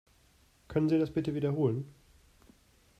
Können Sie das bitte wiederholen?